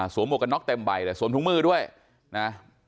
อ่ะสวมหัวกันน็อคเต็มใบเลยสวมทุนมือด้วยนะ